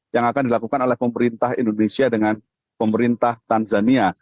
yang akan dilakukan oleh pemerintah indonesia dengan pemerintah tanzania